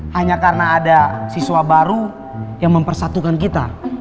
hanya karena ada siswa baru yang mempersatukan kita